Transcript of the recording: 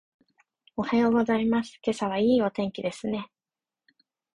おはようございます。今朝はいいお天気ですね。